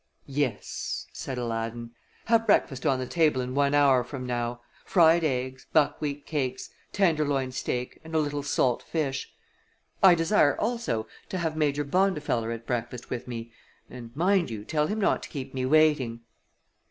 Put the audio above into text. "Yes," said Aladdin. "Have breakfast on the table in one hour from now fried eggs, buckwheat cakes, tenderloin steak, and a little salt fish. I desire, also, to have Major Bondifeller at breakfast with me, and, mind you, tell him not to keep me waiting."